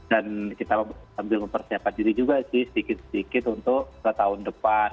dan kita ambil persiapan diri juga sih sedikit sedikit untuk tahun depan